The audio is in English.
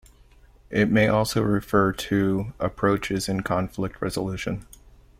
It may also refer to approaches in conflict resolution.